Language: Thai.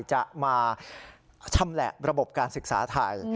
จะมาชำแหละระบบการศึกษาไทย